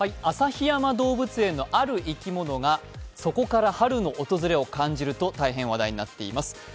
旭山動物園のある生き物がそこから春の訪れを感じると、大変話題になっています。